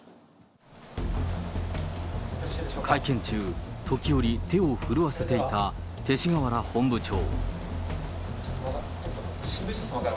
会見中、時折手を震わせていた勅使河原本部長。